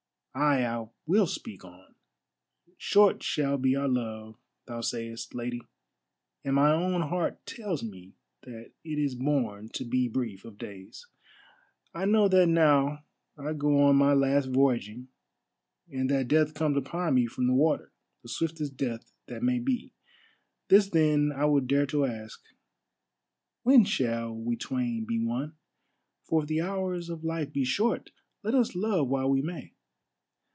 "Ay, I will speak on. Short shall be our love, thou sayest, Lady, and my own heart tells me that it is born to be brief of days. I know that now I go on my last voyaging, and that death comes upon me from the water, the swiftest death that may be. This then I would dare to ask: When shall we twain be one? For if the hours of life be short, let us love while we may."